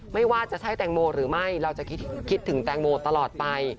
ไม่ว่าจะใช่แตงโมหรือไม่เราจะคิดถึงแตงโมตลอดไป